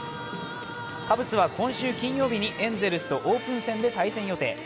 カブスは今週金曜日にエンゼルスとオープン戦で対戦予定。